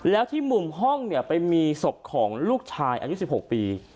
แล้วที่มุมห้องเนี่ยไปมีศพของลูกชายอายุ๑๖ปี